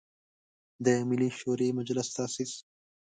د ملي شوری مجلس تاسیس.